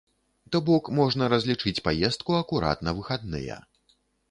То бок, можна разлічыць паездку акурат на выхадныя.